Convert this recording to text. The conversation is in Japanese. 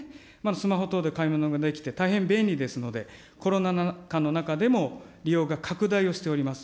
スマホ等で買い物ができて大変便利ですので、コロナ禍の中でも利用が拡大をしております。